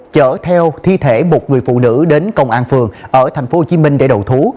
chở theo thi thể một người phụ nữ đến công an phường ở tp hcm để đầu thú